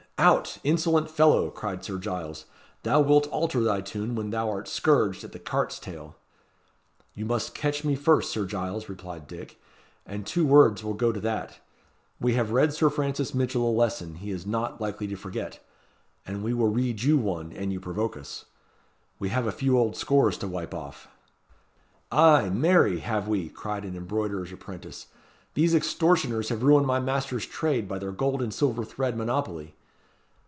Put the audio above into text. "Out, insolent fellow!" cried Sir Giles; "thou wilt alter thy tune when thou art scourged at the cart's tail." "You must catch me first, Sir Giles," replied Dick; "and two words will go to that. We have read Sir Francis Mitchell a lesson he is not likely to forget; and we will read you one, an you provoke us. We have a few old scores to wipe off." "Ay, marry! have we," cried an embroiderer's apprentice; "these extortioners have ruined my master's trade by their gold and silver thread monopoly."